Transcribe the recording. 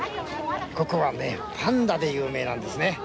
ここはパンダで有名なんですね。